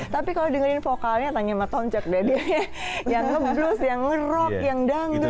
tapi kalau dengerin vokalnya tanya sama tom cek deh dia yang ngeblues yang ngerok yang dangdut